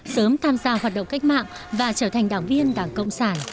sớm tham gia hoạt động cách mạng và trở thành đảng viên đảng cộng sản